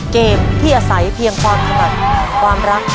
เกมที่อาศัยเพียงความถนัดความรัก